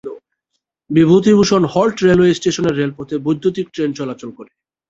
Bibhutibhushan halt railway স্টেশনের রেলপথে বৈদ্যুতীক ট্রেন চলাচল করে।